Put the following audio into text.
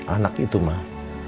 anak itu mah